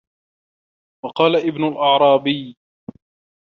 وَقَالَ ابْنُ الْأَعْرَابِيِّ